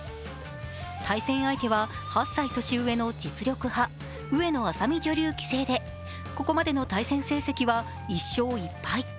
対戦相手は８歳年上の実力派上野愛咲美女流棋聖でここまでの対戦成績は１勝１敗。